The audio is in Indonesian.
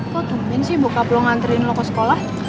kok tumpuin sih bokap lo ngantriin lo ke sekolah